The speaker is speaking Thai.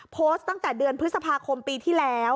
โพสต์ตั้งแต่เดือนพฤษภาคมปีที่แล้ว